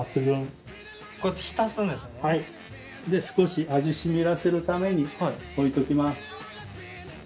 少し味染みらせるために置いときます。